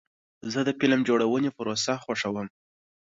زه د فلم جوړونې پروسه خوښوم.